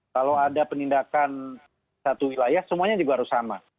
kalau ada penindakan satu wilayah semuanya juga harus sama